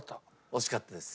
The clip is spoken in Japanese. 惜しかったです。